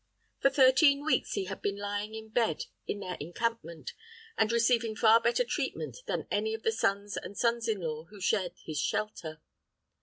For thirteen weeks he had been lying in bed in their encampment, and receiving far better treatment than any of the sons and sons in law who shared his shelter.